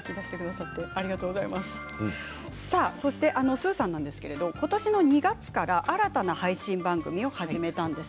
スーさんなんですが今年の２月から新たな配信番組を始めたんです。